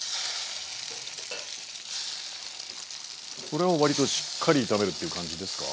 これは割としっかり炒めるっていう感じですか？